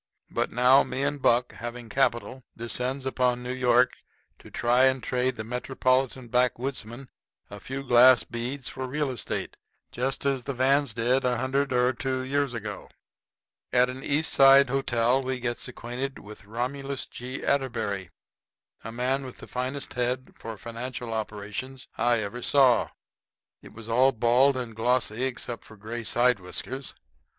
But now, me and Buck, having capital, descends upon New York to try and trade the metropolitan backwoodsmen a few glass beads for real estate just as the Vans did a hundred or two years ago. At an East Side hotel we gets acquainted with Romulus G. Atterbury, a man with the finest head for financial operations I ever saw. It was all bald and glossy except for gray side whiskers.